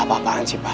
apa apaan sih pak